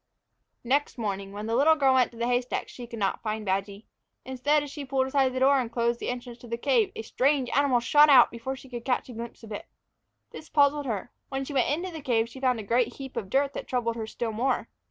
NEXT morning, when the little girl went out to the haystack, she could not find Badgy. Instead, as she pulled aside the door that closed the entrance to the cave, a strange animal shot out and away before she could catch a glimpse of it. This puzzled her; when she went into the cave she found a great heap of dirt that troubled her still more.